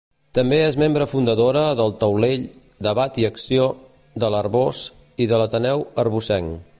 També és membre fundadora d'El Taulell, Debat i Acció, de l'Arboç, i de l'Ateneu Arbocenc.